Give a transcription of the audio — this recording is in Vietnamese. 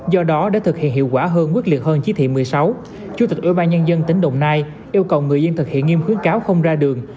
do đó để thực hiện hiệu quả hơn quyết liệt hơn chí thị một mươi sáu chủ tịch ủy ban nhân dân tp hcm yêu cầu người dân thực hiện nghiêm khuyến cáo không ra đường